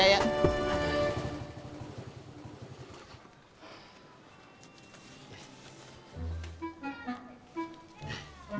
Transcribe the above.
mak aku mau ke kota